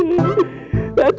ini ga tau ga tau